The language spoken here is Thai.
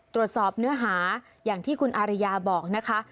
ตรวจสอบเนื้อหาอย่างที่คุณอารยาบอกนะคะ